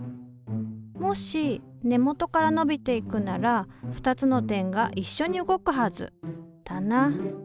もし根元から伸びていくなら２つの点がいっしょに動くはずだな。